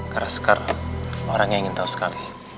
karena sekarang orangnya ingin tahu sekali